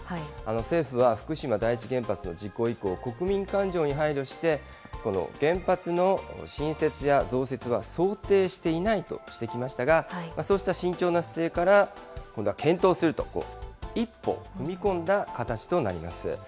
政府は、福島第一原発の事故以降、国民感情に配慮して、この原発の新設や増設は想定していないとしてきましたが、そうした慎重な姿勢から、今度は検討すると、一歩踏み込んだ形となります。